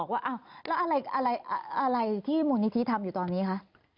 ว่าแล้วอะไรที่มูลนิธิทำอยู่ตอนนี้คะ